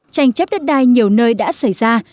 tranh chấp đất đai nhiều nơi đã xảy ra